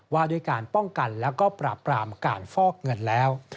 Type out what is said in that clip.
ว่าด้วยการป้องกันแล้วก็ปราบปรามการฟอกเงินแล้ว